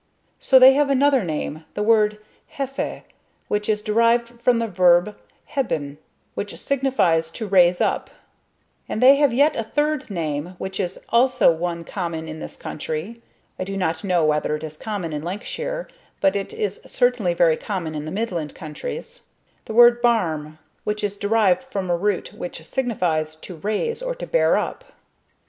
So they have another name, the word "hefe," which is derived from their verb "heben," which signifies to raise up; and they have yet a third name, which is also one common in this country (I do not know whether it is common in Lancashire, but it is certainly very common in the Midland countries), the word "barm," which is derived from a root which signifies to raise or to bear up.